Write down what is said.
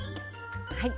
はい。